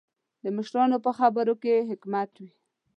د مشرانو په خبرو کې حکمت وي.